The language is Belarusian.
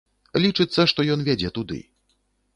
Лічыцца, што ён вядзе туды.